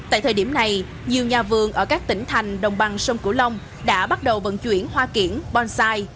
tại thời điểm này nhiều nhà vườn ở các tỉnh thành đồng bằng sông cửu long đã bắt đầu vận chuyển hoa kiển bonsai